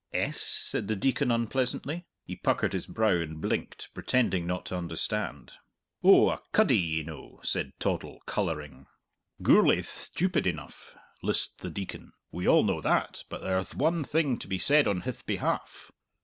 "Ess?" said the Deacon unpleasantly. He puckered his brow and blinked, pretending not to understand. "Oh, a cuddy, ye know," said Toddle, colouring. "Gourlay'th stupid enough," lisped the Deacon; "we all know that. But there'th one thing to be said on hith behalf.